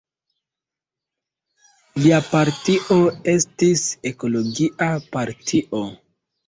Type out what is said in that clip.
Lia partio estis Ekologia partio.